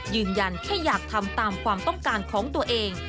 ยืนยันแค่อยากทำตามความต้องการของตัวเอง